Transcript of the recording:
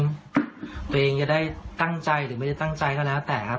ตัวเองจะได้ตั้งใจหรือไม่ได้ตั้งใจก็แล้วแต่ครับ